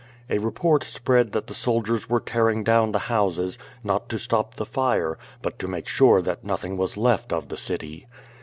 A report spread that the soldiers were tearing down the houses^ not to stop the fire, but to make sure that nothing was left of the city.